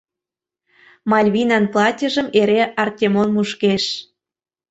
Мальвинан платьыжым эре Артемон мушкеш.